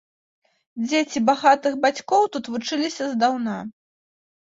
Дзеці багатых бацькоў тут вучыліся здаўна.